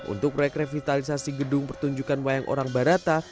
untuk proyek revitalisasi gedung pertunjukan wayang orang barata